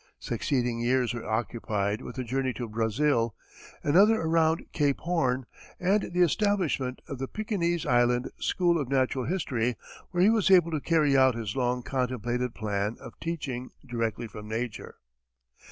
Succeeding years were occupied with a journey to Brazil, another around Cape Horn, and the establishment of the Pekinese Island school of natural history, where he was able to carry out his long contemplated plan of teaching directly from nature.